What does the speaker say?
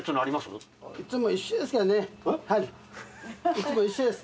いつも一緒です。